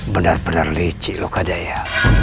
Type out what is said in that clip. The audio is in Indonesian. benar benar licik loh kejaya